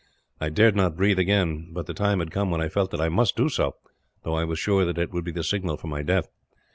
I dared not breathe again, but the time had come when I felt that I must do so, though I was sure that it would be the signal for my death.